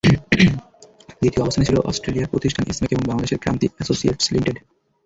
দ্বিতীয় অবস্থানে ছিল অস্ট্রেলিয়ার প্রতিষ্ঠান স্মেক এবং বাংলাদেশের ক্রান্তি অ্যাসোসিয়েটস লিমিটেড।